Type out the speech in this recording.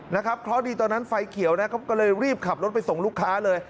เคราะห์ดีตอนนั้นไฟเขียวนะครับก็เลยรีบขับรถไปส่งลูกค้าเลย